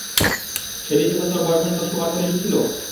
সেদিন যখন তোর বয়ফ্রেন্ড তোর শোবার ঘরে এসেছিল?